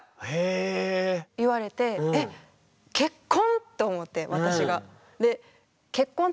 言われて「えっ結婚⁉」と思って私が。